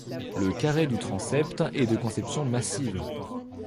Le carré du transept est de conception massive.